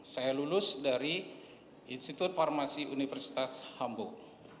saya lulus dari institut farmasi universitas hamburg